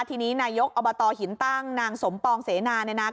ทีนี้นายกอบตหินตั้งนางสมปองเสนา